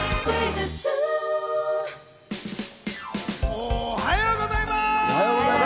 おはようございます！